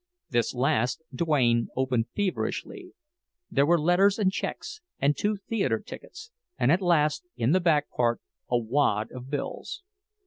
This last Duane opened feverishly—there were letters and checks, and two theater tickets, and at last, in the back part, a wad of bills.